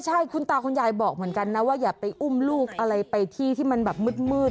ใช่คุณตาคุณยายบอกเหมือนกันนะว่าอย่าไปอุ้มลูกอะไรไปที่ที่มันแบบมืด